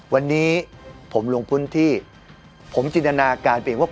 วันนี้ผมลงพื้นที่ผมจินตนาการเพียงว่า